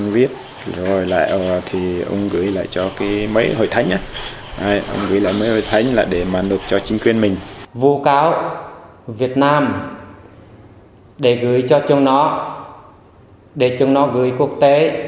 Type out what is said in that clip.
vô cáo việt nam để gửi cho chúng nó để chúng nó gửi quốc tế